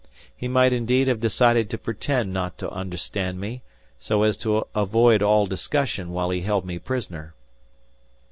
He might indeed have decided to pretend not to understand me, so as to avoid all discussion while he held me prisoner.